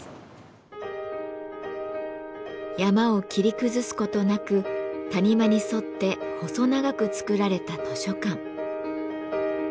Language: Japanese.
山を切り崩す事なく谷間に沿って細長く造られた図書館。